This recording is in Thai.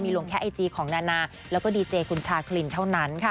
ลงแค่ไอจีของนานาแล้วก็ดีเจคุณชาคลินเท่านั้นค่ะ